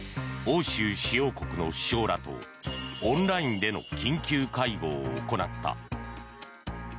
欧州主要国の首相らとオンラインでの緊急会合を行った。